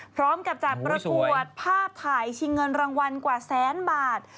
พร้อมกับจัดประกวดภาพถ่ายชิงเงินรางวัลกว่าแสนบาท